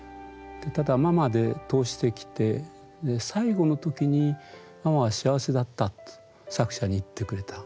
ただママで通してきて最期の時に「ママは幸せだった」って作者に言ってくれた。